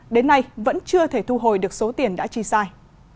đến nay vẫn chưa thể thu hồi được số tiền đã chi sai